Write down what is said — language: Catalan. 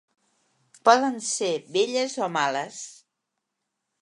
Poden ser belles o males.